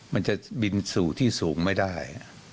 มันจะบินสู่ที่สูงไม่ได้